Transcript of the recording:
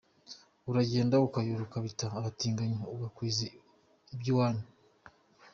Uragenda ukayora ukabita abatinyi ukagwiza iby’iwanyu.